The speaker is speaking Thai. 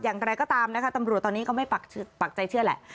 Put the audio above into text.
อย่างไรก็ตามนะคะตำรวจตอนนี้ก็ไม่ปักใจเชื่อแหละ